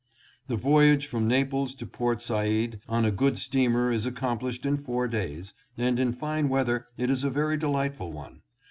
The voyage from Naples to Port Said on a good steamer is accomplished in four days, and in fine weather it is a very delightful one.